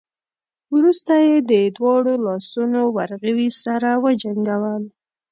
وروسته يې د دواړو لاسونو ورغوي سره وجنګول.